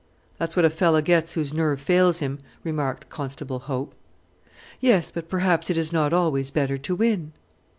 "That's what a fellow gets whose nerve fails him," remarked Constable Hope. "Yes, but perhaps it is not always better to win."